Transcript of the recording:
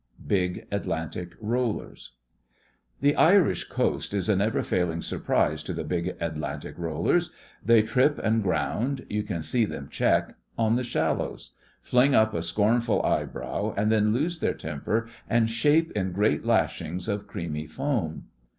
BIG ATLANTIC ROLLERS The Irish coast is a never failing surprise to the big Atlantic rollers. They trip and ground—you can see them check—on the shallows; fling up a scornful eyebrow and then lose their temper and shape in great lashings of creamy foam.